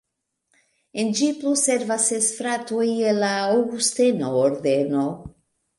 En ĝi plu servas ses fratoj el la aŭgustena ordeno.